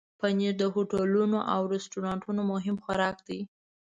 پنېر د هوټلونو او رستورانونو مهم خوراک دی.